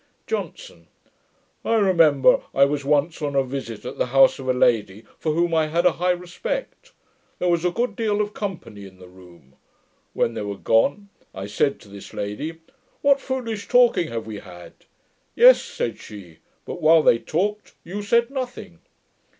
JOHNSON. 'I remember I was once on a visit at the house of a lady for whom I had a high respect. There was a good deal of company in the room. When they were gone, I said to this lady, "What foolish talking have we had!" "Yes," said she, "but while they talked, you said nothing."